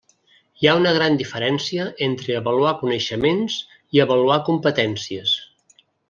Hi ha una gran diferència entre avaluar coneixements i avaluar competències.